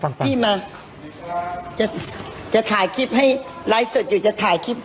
พี่มาจะถ่ายคลิปให้อยู่จะถ่ายคลิป